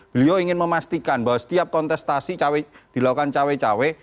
beliau ingin memastikan bahwa setiap kontestasi dilakukan cawe cawe